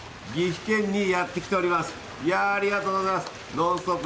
「ノンストップ！」